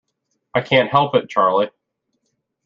I can't help it, Charley.